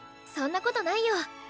そんなことないよ。